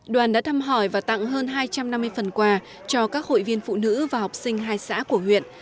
đoàn đã thăm hỏi và tặng hơn hai trăm năm mươi phần quà cho các hội viên phụ nữ và học sinh hai xã của huyện